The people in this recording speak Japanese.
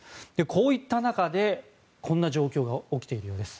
こういった中で、こんな状況が起きているようです。